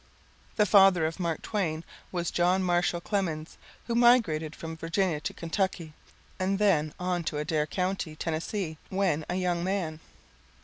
The father of Mark Twain was John Marshall Clemens, who migrated from Virginia to Kentucky, and then on to Adair County, Tennessee, when a young man.